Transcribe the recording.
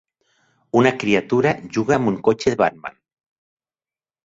Una criatura juga amb un cotxe de Batman.